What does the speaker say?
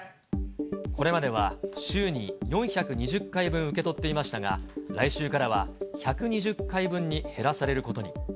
これまでは週に４２０回分受け取っていましたが、来週からは１２０回分に減らされることに。